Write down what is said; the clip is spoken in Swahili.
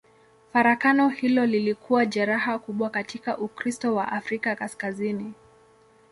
Farakano hilo lilikuwa jeraha kubwa katika Ukristo wa Afrika Kaskazini.